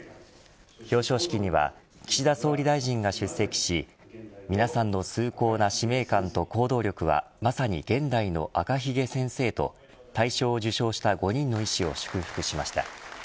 表彰式には岸田総理大臣が出席し皆さんの崇高な使命感と行動力はまさに現代の赤ひげ先生と大賞を受賞した５人の医師を祝福しました。